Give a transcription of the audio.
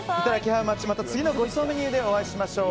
ハウマッチ次のごちそうメニューでお会いしましょう。